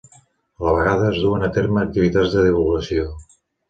A la vegada, es duen a terme activitats de divulgació.